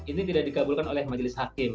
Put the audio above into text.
ini tidak dikabulkan oleh majelis hakim